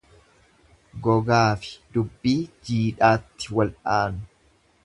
Gogaafi dubbii jiidhaatti wal'aanu.